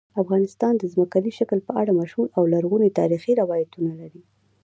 افغانستان د ځمکني شکل په اړه مشهور او لرغوني تاریخی روایتونه لري.